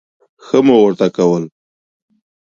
ښه مو ورته کول.